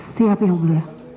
siap ya mbak